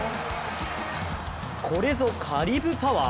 これぞカリブパワー？